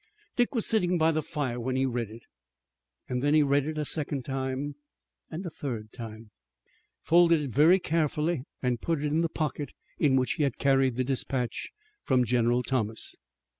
Dick was sitting by the fire when he read it. Then he read it a second time and a third time, folded it very carefully and put it in the pocket in which he had carried the dispatch from General Thomas.